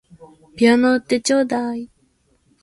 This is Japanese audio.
ピアノ売ってちょうだい